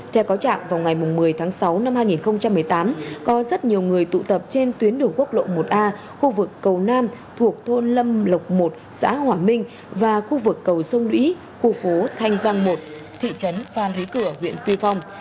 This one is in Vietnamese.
theo cáo trạng vào ngày một mươi tháng sáu năm hai nghìn một mươi tám có rất nhiều người tụ tập trên tuyến đường quốc lộ một a khu vực cầu nam thuộc thôn lâm lộc một xã hòa minh và khu vực cầu sông lũy khu phố thanh văn một thị trấn phan rí cửa huyện tuy phong